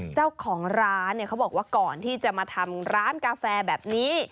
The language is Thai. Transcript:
เจ้าของร้านเนี่ยเขาบอกว่าก่อนที่จะมาทำร้านกาแฟแบบนี้